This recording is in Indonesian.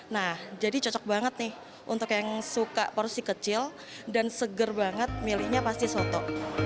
nah jadi cocok banget nih untuk yang suka porsi kecil dan seger banget milihnya pasti soto